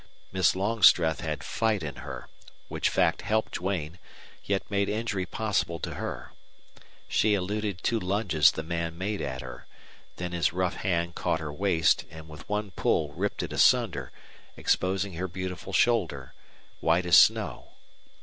Miss Longstreth had fight in her, which fact helped Duane, yet made injury possible to her. She eluded two lunges the man made at her. Then his rough hand caught her waist, and with one pull ripped it asunder, exposing her beautiful shoulder, white as snow.